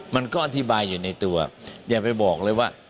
มันก็อธิบายอยู่ในตัวอย่าไปบอกเลยว่า